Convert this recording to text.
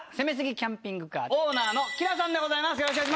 キャンピングカーオーナーのきらさんでございます。